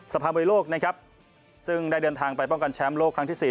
ภาพมวยโลกนะครับซึ่งได้เดินทางไปป้องกันแชมป์โลกครั้งที่สี่